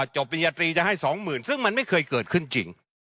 ปริญญาตรีจะให้๒๐๐๐ซึ่งมันไม่เคยเกิดขึ้นจริง